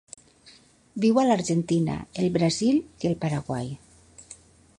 Viu a l'Argentina, el Brasil i el Paraguai.